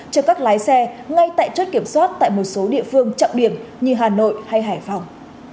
cho các lái xe ngay tại chốt kiểm soát tại một số địa phương trọng điểm như hà nội hay hải phòng